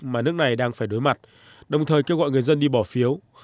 mà nước này đang phải đối mặt đồng thời kêu gọi người dân đi bỏ phiếu